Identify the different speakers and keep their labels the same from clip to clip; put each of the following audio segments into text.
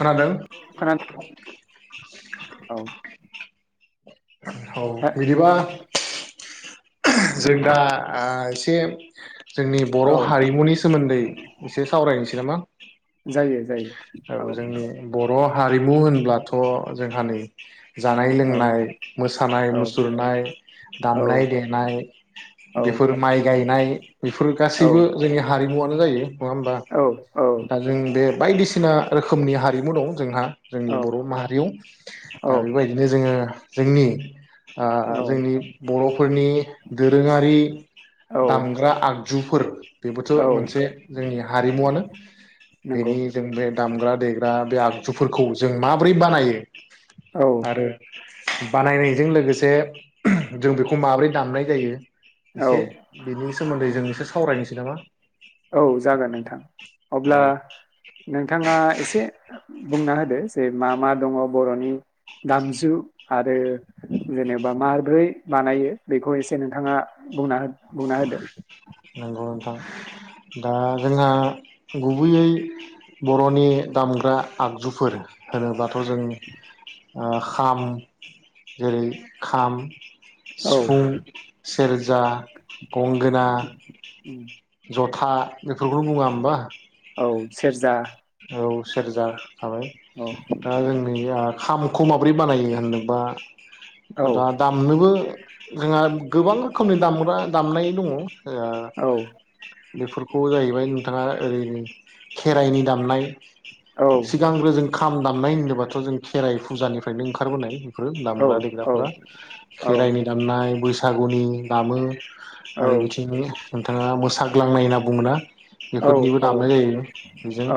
Speaker 1: खोनादों
Speaker 2: खोनादों औ
Speaker 1: [inaudible] औ
Speaker 2: हो
Speaker 1: बिदिबा [inaudible] जों दा आ एसे जोंनि बर'
Speaker 2: औ
Speaker 1: हारिमुनि सोमोन्दै एसे सावरायनोसै नामा
Speaker 2: जायो जायो
Speaker 1: औ जोंनि बर' हारि मु होनब्लाथ' जोंहा नै जानाय
Speaker 2: औ
Speaker 1: लोंनाय मोसानाय
Speaker 2: औ
Speaker 1: मुसुरनाय
Speaker 2: औ
Speaker 1: दामनाय देनाय
Speaker 2: औ
Speaker 1: बेफोर माइ गायनाय बेफोर
Speaker 2: औ
Speaker 1: गासैबो जोंनि हारिमुव जायो नङा होमबा
Speaker 2: औ
Speaker 1: दा जों बे बायदिसिना रोखोमनि हारिमु दं जोंहा जोंनि बर' माहारियाव दा बेबायदिनो जोङो जोंनि
Speaker 2: औ
Speaker 1: जोंनि बर'फोरनि दोरोङारि
Speaker 2: औ
Speaker 1: दामग्रा आग जुफोर बेबोथ'
Speaker 2: औ
Speaker 1: मोनसे जोंनि हारिमुवानो
Speaker 2: नंगौ
Speaker 1: बेनि जोंबे दामग्रा देग्रा बे आगजुफोरखौ जों माब्रै बानायो
Speaker 2: औ
Speaker 1: आरो बानायनायजों लोगोसे जों बेखौ माबोरै दामनाय जायो
Speaker 2: औ
Speaker 1: एसे बेनि सोमोन्दै जों एसे सावरायनोसै नामा
Speaker 2: औ जागोन नोंथां औ अब्ला नोंथाङा एसे बुंना होदो जे मा मा दङ बर'नि दामजु आरो जेनेबा माब्रै बानायो बेखौ एसे नोंथाङा बुंना बुंना होदो
Speaker 1: नंगौ नोंथां दा जोंहा गुबैयै बर'नि दामग्रा आगजुफोर होनोबाथ' जों ओ खाम जेरै खाम
Speaker 2: औ
Speaker 1: सिफुं सेरजा गंगोना
Speaker 2: उम
Speaker 1: था बेफोरखौनो बुङा होम्बा
Speaker 2: औ सेरजा
Speaker 1: सेरजा थाबाय दा
Speaker 2: औ
Speaker 1: जोंनि आर्ट खामखौ माबोरै बानायो होननोबा
Speaker 2: औ
Speaker 1: दा दामनोबो जोंहा गोबां रोखोमनि दामग्रा दामनाय दङ [unintelligible] बेफोरखौ जाहैबाय नोंथाङा ओरै खेराइनि दामनाय
Speaker 2: औ
Speaker 1: सिगांग्रो जों खाम दाम नाय होनोबाथ' जों खेराइ फुजानिफ्रायनो ओंखारबोनाय [unintelligible] दामग्रा
Speaker 2: औ
Speaker 1: देग्राफोरा खेराइनि दामनाय बै सागुनि दामो आरो मिथिंनि नोंथाङा मोसाग्लांनाय होनना बुङोना?
Speaker 2: औ
Speaker 1: बेफोरनिबो दामनाय जायो बिजों
Speaker 2: औ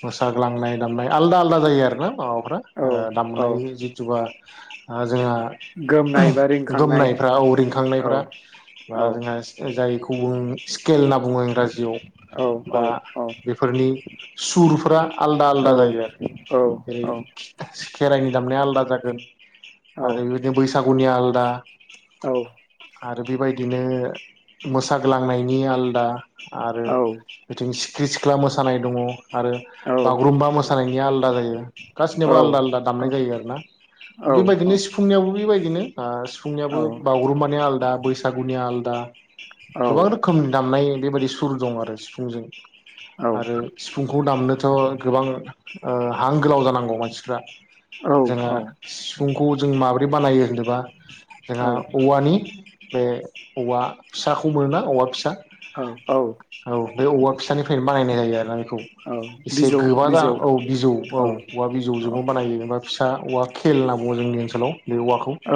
Speaker 1: फ साग्लांनाय दामनाय आलदा आलदा जायो आरोना ओ
Speaker 2: औ
Speaker 1: दामनाय
Speaker 2: औ
Speaker 1: जिथु बा आर जोंहा
Speaker 2: गोमनाय बा रिंखांनाय
Speaker 1: गोमनायफ्रा औ
Speaker 2: औ
Speaker 1: रिंखांनायफ्रा बा
Speaker 2: औ
Speaker 1: जोंहा जाय ख गुबुं स्केल होनना बुङो इंराजियाव
Speaker 2: औ औ
Speaker 1: बा
Speaker 2: औ
Speaker 1: [unintelligible] सुरफ्रा आलदा
Speaker 2: औ
Speaker 1: आलदा जायो आरो
Speaker 2: औ
Speaker 1: जेरै खेराइनि दामनाया आलादा जागोन आरो बिदि बैस सागुनिया आलदा
Speaker 2: औ
Speaker 1: आरो बेबादिनो मोसाग्लांनायनि आलदा आरो
Speaker 2: औ
Speaker 1: बिथिं सि [unintelligible] सिख्ला मोसानाय दङ आरो
Speaker 2: औ
Speaker 1: बागुरुम्बा मोसानायनिया आलदा जायो गासिनियाबबो आलदा-आलदा दामनाय जायो आरोना बेबायदिनो सिफुंनायावबो बेबाय बिदिनो आ फुंनियाबो बागुरुमबानिया आलादा बैसागुनिया आलदा [unintelligible] गोबां रोखोमनि दामनाय बेबायदि सुर दं आरो सिफुंजों आरो सिफुंखौ दामनोथ गोबां ओ हां गोलाव जानांगौ मानसिफ्रा जोङो फुंखौ जों माबोरै बानायो होनोबा जोंहा औवानि बे औवा फिसाखौ मोना औवा फिसा औ बे औवा फिसानि बनायनाय जायो आरो ना बेखौ एसे
Speaker 2: बिजौ
Speaker 1: गोबा जा
Speaker 2: बिजौ
Speaker 1: औ बिजौ औ औवा
Speaker 2: औ
Speaker 1: बिजौजोंबो बानाय बा फिसा औवा खेल होनना बुङो जोंनि ओनसोलाव। बे औवाखौ
Speaker 2: औ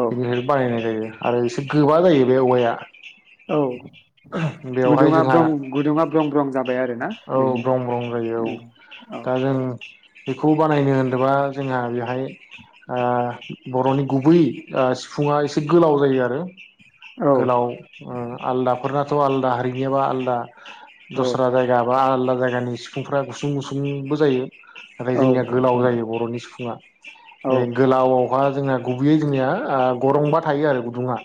Speaker 2: औ
Speaker 1: बानायनाय जायो। आरो एसे गोबा जायो बे औवाया।
Speaker 2: औ
Speaker 1: बेवहाय
Speaker 2: गुदुंङा
Speaker 1: जोंहा
Speaker 2: ब्रं गुदुङा ब्रं ब्रं जाब
Speaker 1: औ ब्रं ब्रं जायो औ दा जों बेखौ बानायनो होनोबा जोंहा बेहाय ओ बर'नि गुबै ओ सिफुङा एसे गोलाव जायो आरो। गोलाव ओ आलदाफोरना थ' आलदा होरैनायाबो आलदा। दस्रा राय बा आलदा जायगानि सिफुंफ्रा गुसुं गुसुंबो जायो। नाथाय जोंनिया गोलाव जायो बर'नि सिफुंङा। बे गोलाव बा जोंना गुबैयै जोंनिया ओ गरंबा थायो आरो गुदुङा।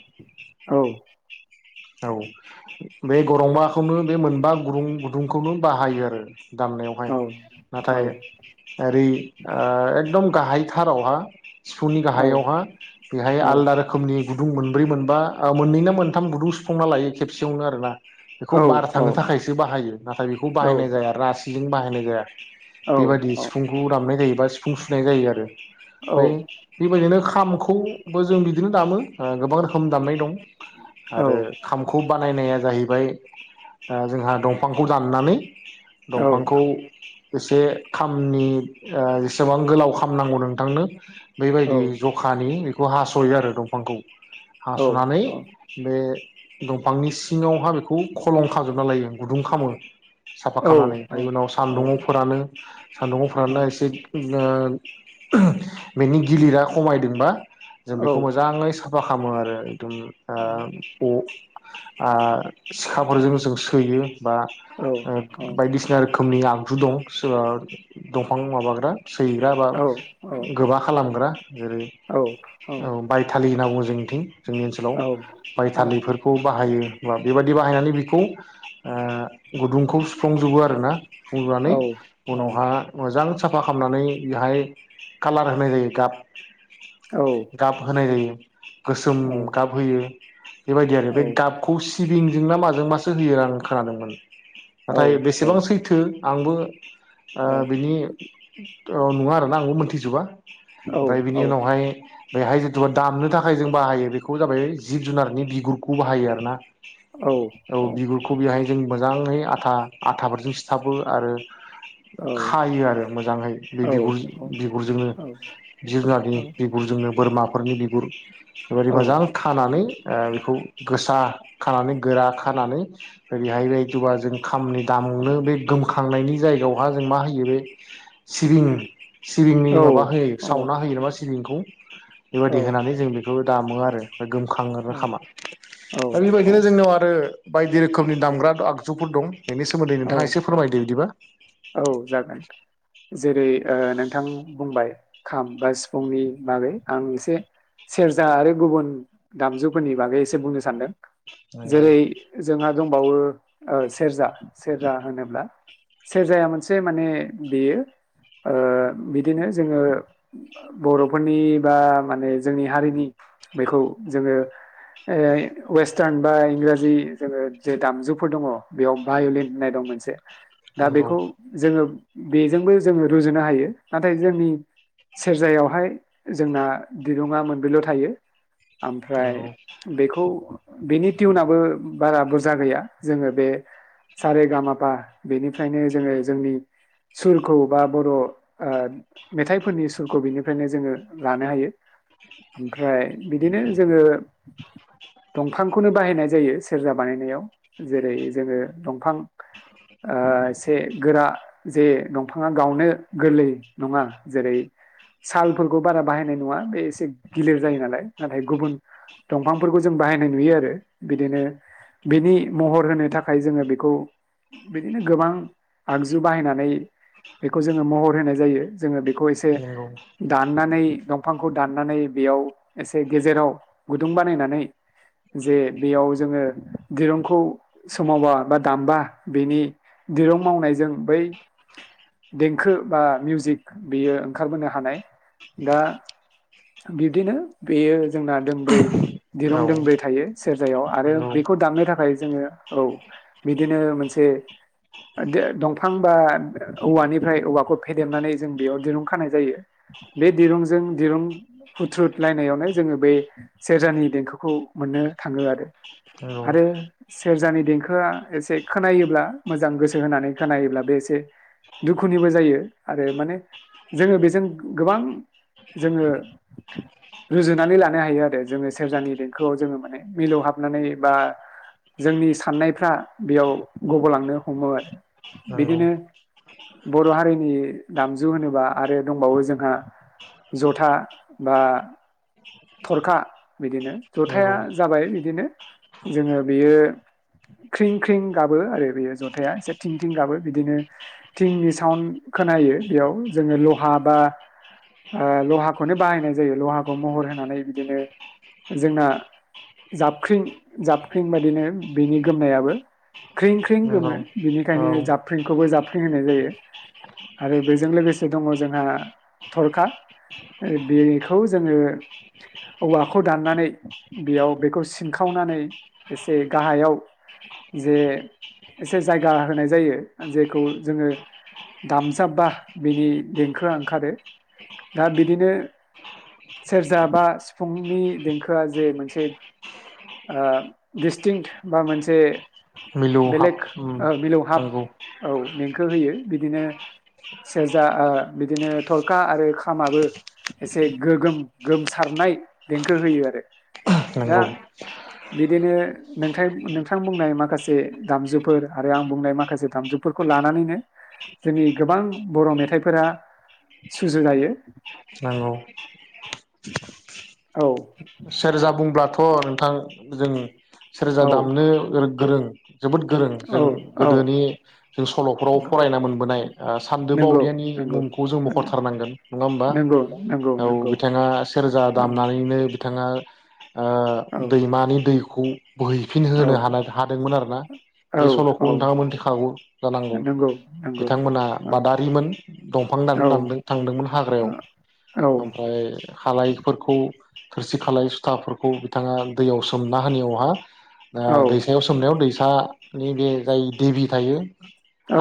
Speaker 2: औ।
Speaker 1: औ बे गरंबाखौनो बे मोनबा गुरुं गुदुंखौनो बाहायो आरो। दामनायावहाय नाथाय ओरै ओ एक दम गाहायथारावहा सिफुंनि गाहायावहा बेहाय आलदा रोखोमनि गुदुं मोनब्रै मोनबा ओ मोननै ना मोनथाम गुदुं सु सुफुंना लायो खेबसेयावनो आरो ना। बेखौ बार थांनो थाखायसो बाहायो नाथाय बेखौ बाहायनाय जाया रासि लिं बाहायनाय जाया। बेबायदि सिफुंखौ दामनाय जायो। बा सिफुं सुनाय जायो आरो। बाय बेबायदिनो खामखौबो जों बिदिनो दामो ओ गोबां रोखोम दामनाय दं। आरो खौ बानायनाया जाहैबाय ओ जोंहा दंफांखौ दाननानै दंफांखौ एसे खामनि ओ जेसेबां गोलाव खाम नांगौ नोंथांनो बेबायदि जखानि बेखौ हास'यो आरो दंफांखौ। हास'नानै बे दंफांनि सिङावहा बे खौ खलं खाजोबना लायो। गुदुं खामो। साफा खालामनानै ओमफाय उनाव सान्दुुंआव फोरानो। [unintelligible] सान्दुंआव फोराना एसे [inaudible] बेनि गिलिरा खमायदोंबा। जों बेखौ मोजाङै सा फा खालामो आरो। दुम ओ। ओ सिखाफोरजों जों सोयो। बा ओ बायदिसिना रोखोमनि आ गुदं सोआ दंफां माबाग्रा। सैग्रा बा गोबा खालामग्रा। जेरै औ बायथालि। होनना बुङो जोंथिं। जोंनि ओनसोलाव। बै [unintelligible] फोरखौ बा बाहायो बा बेबायदि बाहायनानै बेखौ। ओ‌ गुदुंखौ सुफुंजोबो आरोना सुफुंजोबनानै उनावहा मोजां साफा खालामनानै बेहाय कालार होनाय जायो गाब। गाब होनाय जायो। गोसोम गाब होयो। [unintelligible] बेबायदि आरो बे गाबखौ टिभिंजों ना माजों मासो होयो आं खोनादोंमोन। नाथाय बेसेबां सैथो। आंबो। ओ बिनि। औ नङा आरोना आंबो मोनथिजोबा। ओमफाय बिनि उनावहाय बेहाय जिथुबा दामनो थाखाय जों बाहायो बेखौ जाबाय जिब जुनारनि बिगुरखौ बाहायो आरो ना औ बिगुरखौ बिहाय जों मोजाङै आथा आथाफोरजों सिथाबो आरो खायो आरो मोजाङै बे बिगुर बिगुरजोंनो जोंनारनि बिगुरजोंनो बोरमा खरनि बिगुर बिबादि
Speaker 2: औ
Speaker 1: मोजां खानानै ओ बेखौ गोसा खानानै गोरा खानानै ओरैहाय बेदिबा जों खामनि दामनो बे गोमखांनायनि जायगायावहा जों मा होयो बे सिबिं सिबिंनि माबा होयो
Speaker 2: औ
Speaker 1: सावना होयो नामा सिबिंखौ
Speaker 2: औ
Speaker 1: बेबादि होनानै जों बेखौ दामो आरो गोमखाङो आरोना खामा
Speaker 2: औ
Speaker 1: दा बेबायदिनो जोंनियाव आरो बायदि रोखोमनि दामग्रा आगजुफोर दं बेनि सोमोन्दै
Speaker 2: औ
Speaker 1: नोंथाङा एसे फोरमायदो बिदिबा [inaudible]
Speaker 2: औ जागोन जेरै ओ नोंथां बुंबाय खाम बा सिफुंनि बागै आं एसे सेरजा आरो गुबुन दामजुफोरनि बागै एसे बुंनो सानदों
Speaker 1: नंगौ
Speaker 2: जेरै जोंहा दंबावो औ सेरजा सेरजा होनोब्ला सेरजाया मोनसे माने बेयो ओ बिदिनो जोङो बर'फोरनि बा माने जोंनि हारिनि बेखौ जोङो ओ वेस्टार्न बा इंराजि जोङो जे दामजुफोर दङ बेयाव भायलिन होननाय दं मोनसे दा
Speaker 1: नंगौ
Speaker 2: बेखौ जोङो बेजोंबो जोङो रुजुनो हायो नाथाय जोंनि सेरजायावहाय जोंना दिरुङा मोनब्रैल' थायो ओमफ्राय
Speaker 1: नंगौ
Speaker 2: बेखौ बेनि टिउनाबो बारा बुरजा गैया जोङो बे सारे गामा पा बेनिफ्रायनो जोङो जोंनि सुरखौ बा बर' ओ मेथाइफोरनि सुरखौ बिनिफ्रायनो जोङो लानो हायो ओमफ्राय बिदिनो जोङो दंफांखौनो बाहायनाय जायो सेरजा बानायनायाव जेरै जोङो दंफां ओ एसे गोरा जे दंफाङा गावनो गोरलै नङा जेरै सालफोरखौ बारा बाहायनाय नोवा बे एसे गिलिर जायो नालाय नाथाय गुबुन दंफांफोरखौ जों बाहायनाय नुयो आरो बिदिनो बिनि महर होनो थाखाय जोङो बेखौ बिदिनो गोबां आगजु बाहायनानै बेखौ जोङो महर होनाय जायो जोङो खौ एसे
Speaker 1: नंगौ
Speaker 2: दाननानै दं फांखौ दाननानै बेयाव एसे गेजेराव गुदुं बानायनानै जे बेयाव जोङो दिरुंखौ सोमावबा बा दामबा बेनि दिरुं मावनायजों बै देंखो बा मिउजिक बेयो ओंखारबोनो हानाय दा बिब्दिनो बेयो जोंना दोंब्रै
Speaker 1: औ
Speaker 2: दिरुं दोंब्रै थायो सेरजायाव आरो
Speaker 1: नंगौ
Speaker 2: बेखौ दामनो थाखाय ज औ बिदिनो े दंफां बा औवानिफ्राय औवाखौ फेदेमनानै जों बेयाव दिरुं खानाय जायो बे दिरुंजों दिरुं हुथ्रुदलायनायावनो जोङो बे सेरजानि देंखोखौ मोननो थाङो आरो आरो
Speaker 1: औ
Speaker 2: सेरजानि देंखोआ एसे खोनायोब्ला मोजां गोसो होनानै खोनायोब्ला बे एसे दुखुनिबो जायो आरो माने जोङो बेजों गोबां जोङो रुजुनानै लानो हायो आरो जोङो सेरजानि देंखोआव जोङो माने मिलौ हाबनानै बा जोंनि साननायफ्रा बेयाव गग'लांनो हमो आरो बिदिनो बर' हारिनि दामजु होनोबा आरो दंबावो जोंहा जथा बा थरखा बिदिनो
Speaker 1: नंगौ
Speaker 2: जथाया जाबाय बिदिनो जोङो बियो ख्रिं ख्रिं गाबो आरो बेयो जथाया एसे थिं थिं गाबो बिदिनो थिंनि साउड खोनायो बेयाव जोङो लहा बा लहाखौनो बाहायनाय जायो लहाखौ महर होनानै बिदिनो जोंना जाबख्रिं जाबख्रिं बाददिनो बिनि गोमनायाबो ख्रिं ख्रिं गोमो
Speaker 1: नंगौ औ
Speaker 2: बेनिखायनो जाबफ्रिंखौबो जाबफ्रिं होनाय जायो आरो बेजों लोगोसे दङ जोंहा थरखा बेखौ जोङो औवाखौ दाननानै बेयाव बेखौ सिनखावनानै एसे गाहायाव जे एसे जायगा होनाय जायो जेखौ जोङो दामजाबबा बिनि देंखोआ ओंखारो दा बिदिनो सेरजा बा सिफुंनि देंखोआ जे मोनसे डस्टिंट बा मोनसे
Speaker 1: मिलौहाब
Speaker 2: बेलेग मिलौ हफ
Speaker 1: नंगौ
Speaker 2: औ मेंेंखो होयो बिदिनो सेरजा बिदिनो थरखा आरो खामाबो एसे गोगोम गोमसारनाय देंखो होयो आरो दा
Speaker 1: नंगौ
Speaker 2: बिदिनो नोंथां नोंथां बुंनाय माखासे दामजुफोर आरो आं बुंनाय माखासे दामजुफोरखौ लानानैनो जोंनि गोबां बर' मेथाइफोरा सुजु जायो
Speaker 1: नांगौ
Speaker 2: औ
Speaker 1: सेरजा बुंब्लाथ' नोंथां जों सेरजा
Speaker 2: औ
Speaker 1: दामनो गोरों जोबोद गोरों
Speaker 2: औ
Speaker 1: जों
Speaker 2: औ
Speaker 1: गोदोनि जों सल'फोराव फरायना मोनबोनाय सान्द
Speaker 2: नंगौ
Speaker 1: बावदियानि
Speaker 2: नंगौ
Speaker 1: मुंखौ जों मखरथारनांगोन नङा होमबा
Speaker 2: नंगौ नंगौ
Speaker 1: औ
Speaker 2: नंगौ
Speaker 1: बिथाङा सेरजा
Speaker 2: औ
Speaker 1: दामनानैनो बिथाङा
Speaker 2: औ
Speaker 1: दैमानि दै खौ बोहैफिन होनो ह
Speaker 2: औ
Speaker 1: हादोंमोन आरो ना
Speaker 2: औ
Speaker 1: बे सल'खौ
Speaker 2: औ
Speaker 1: नोंथांामोन थिखागौ जानांगौ
Speaker 2: नंगौ नंगौ
Speaker 1: बिथांमोना
Speaker 2: औ
Speaker 1: बादारिमोन दंफां दान
Speaker 2: औ
Speaker 1: दानदों थांदोंमोन हाग्रायाव
Speaker 2: औ
Speaker 1: ओमफ्राय हालायफोरखौ खोरसि खालाय सुथाफोरखौ बिथाङा दैयाव सोमना होनायावहा
Speaker 2: औ
Speaker 1: दैसायाव सोमनायाव दै फिानि बे जाय देबि थायो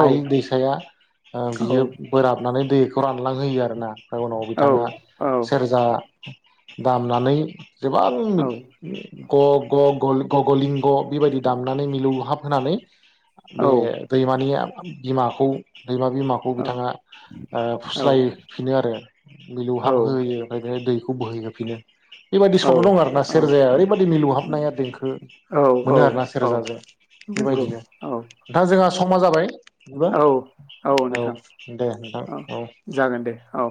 Speaker 2: औ
Speaker 1: आइ दैसाया बियो बोराबनानै दैखौ रानलांहोयो आरो ना ओमफ्राय उनाव
Speaker 2: औ
Speaker 1: बिथाङा सेरजा दाम फनानै गोबां ग ग ग गगलिंग बेबायदि दामनानै मिलौ हाब होनानै बे दैमानिया बिमाखौ दैमा बिमाखौ बिथाङा ओ फुस्लायफिनो आरो मिलौहाब होयो ओमफ्राय बे दै खौ बोहैहोफिनो बेबायदि सल' दं आरो ना सेरजाया ओरैबायदि मिलुहाबनाया देंखो मोनो आरोना
Speaker 2: औ औ
Speaker 1: सेरजाजों
Speaker 2: नंगौ
Speaker 1: बेबायदिनो
Speaker 2: औ
Speaker 1: दा जोंहा समा जाबाय बिदिबा
Speaker 2: औ औ नोंथां
Speaker 1: दे नोंथां
Speaker 2: औ जागोन दे औ